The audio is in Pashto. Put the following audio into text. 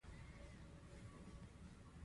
پر تن وه.